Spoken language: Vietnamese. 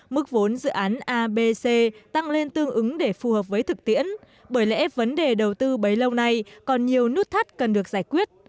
mức vốn dự án abc tăng lên tương ứng để phù hợp với thực tiễn bởi lẽ vấn đề đầu tư bấy lâu nay còn nhiều nút thắt cần được giải quyết